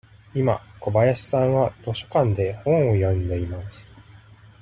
今、小林さんは図書館で本を読んでいます。